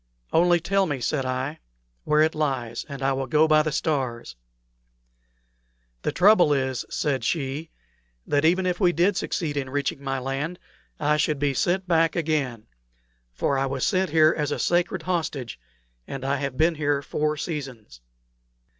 "Only tell me," said I, "where it lies, and I will go by the stars." "The trouble is," said she, "that even if we did succeed in reaching my land, I should be sent back again; for I was sent here as a sacred hostage, and I have been here four seasons."